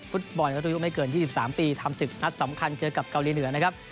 ฟุตบอลอายุไม่เกิน๒๓ปีทำ๑๐นัดสำคัญเจอกับเกาหลีเหนือนะครับ